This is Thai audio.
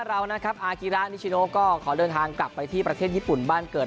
อากีรานิชโน่ก็ขอเดินทางกลับที่พระเทศญี่ปุ่นบ้านเกิด